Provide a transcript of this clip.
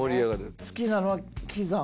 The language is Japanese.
好きなのは喜山。